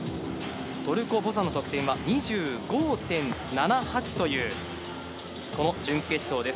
トルコのボザンの得点は、２５．７８という準決勝です。